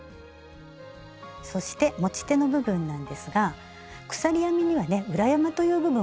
そして持ち手の部分なんですが鎖編みにはね「裏山」という部分があります。